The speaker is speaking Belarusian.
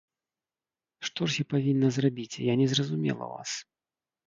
Што ж я павінна зрабіць, я не зразумела вас.